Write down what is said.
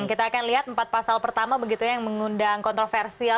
kita akan lihat empat pasal pertama yang mengundang kontroversial